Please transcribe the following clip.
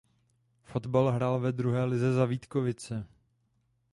Fotbal hrál ve druhé lize za Vítkovice.